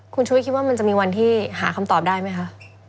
คุณชุวิตคิดว่ามันจะมีวันที่หาคำตอบได้ไหมคะ